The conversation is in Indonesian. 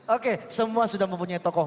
oke semua sudah mempunyai tokoh